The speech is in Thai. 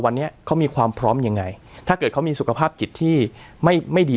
วันนี้เขามีความพร้อมยังไงถ้าเกิดเขามีสุขภาพจิตที่ไม่ไม่ดี